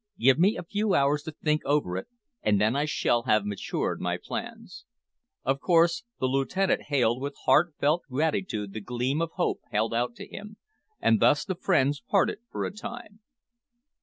Give me a few hours to think over it, and then I shall have matured my plans." Of course the lieutenant hailed with heartfelt gratitude the gleam of hope held out to him, and thus the friends parted for a time.